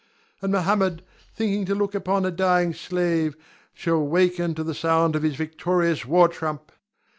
And Mohammed, thinking to look upon a dying slave, shall waken to the sound of his victorious war trump.